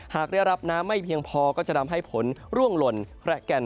หากได้รับน้ำไม่เพียงพอก็จะทำให้ผลร่วงหล่นแคระแก่น